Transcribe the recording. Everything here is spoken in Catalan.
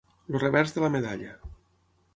El revers de la medalla.